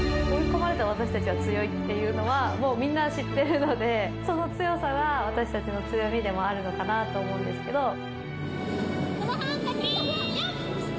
追い込まれた私たちは強いっていうのは、みんな知ってるのでその強さが私たちの強みでもあるのかなと思うんですけど。